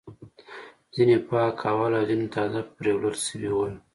ځینې پاک ول او ځینې تازه پریولل شوي ول.